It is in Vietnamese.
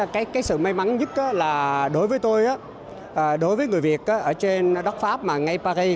cái sự may mắn nhất là đối với tôi đối với người việt ở trên đất pháp mà ngay paris